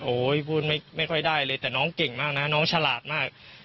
พูดไม่ค่อยได้เลยแต่น้องเก่งมากนะน้องฉลาดมาก